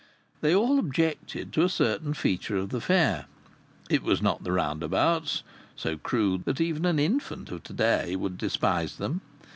They all objected to a certain feature of the Fair. It was not the roundabouts, so crude that even an infant of to day would despise them.